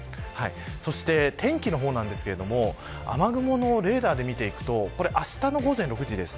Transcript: そして、天気の方なんですが雨雲のレーダーで見ていくとあしたの午前６時です。